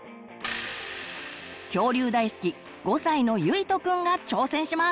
恐竜大好き５歳のゆいとくんが挑戦します！